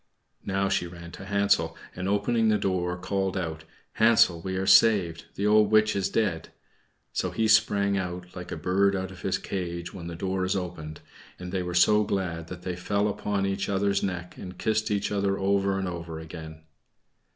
Now she ran to Hansel, and, opening his door, called out, "Hansel we are saved; the old witch is dead!" So he sprang out, like a bird out of his cage when the door is opened; and they were so glad that they fell upon each other's neck, and kissed each other over and over again.